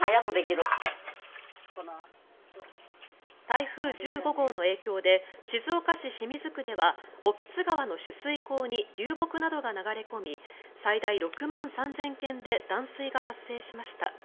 台風１５号の影響で静岡市清水区では興津川の取水口に流木などが流れ込み最大６万３０００軒で断水が発生しました。